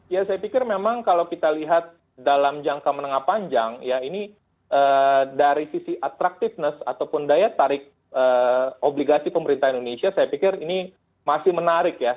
ya saya pikir memang kalau kita lihat dalam jangka menengah panjang ya ini dari sisi attractiveness ataupun daya tarik obligasi pemerintah indonesia saya pikir ini masih menarik ya